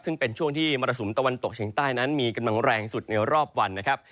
ซึ่งเป็นช่วงที่มรสุมตะวันตกเฉียงใต้นั้นมีกำลังแรงสุดในรอบวันนะครับ